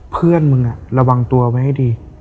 เพื่อนมึงระวังตัวไว้ให้ดี